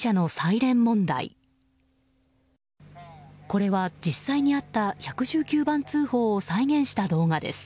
これは、実際にあった１１９番通報を再現した動画です。